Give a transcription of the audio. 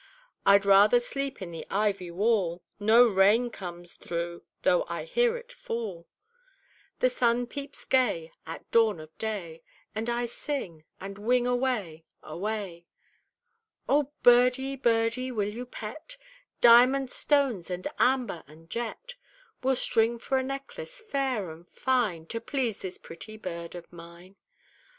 "I'd rather sleep in the ivy wall; No rain comes through, tho' I hear it fall; The sun peeps gay at dawn of day, And I sing, and wing away, away!" "O Birdie, Birdie, will you pet? Diamond stones and amber and jet We'll string for a necklace fair and fine To please this pretty bird of mine!"